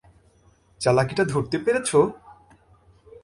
চালাকিটা ধরতে পেরেছো?